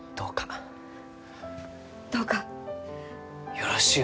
よろしゅう